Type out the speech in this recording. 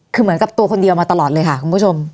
คือเหมือนกับตัวคนเดียวมาตลอดเลยค่ะคุณผู้ชม